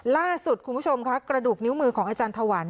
ล่าสุดคุณผู้ชมค่ะกระดูกนิ้วมือของอาจารย์ถวัน